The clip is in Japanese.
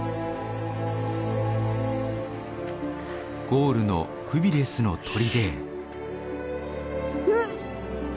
ゴールのフビレスの砦へ。